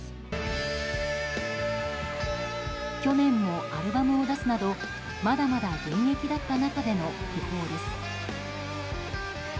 去年もアルバムを出すなどまだまだ現役だった中での訃報です。